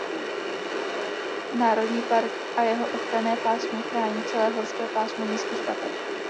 Národní park a jeho ochranné pásmo chrání celé horské pásmo Nízkých Tater.